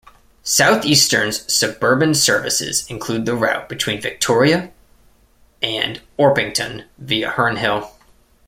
Southeastern's suburban services include the route between Victoria and Orpington via Herne Hill.